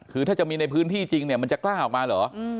คือถ้าจะมีในพื้นที่จริงเนี่ยมันจะกล้าออกมาเหรอ